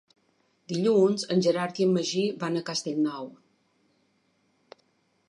Dilluns en Gerard i en Magí van a Castellnou.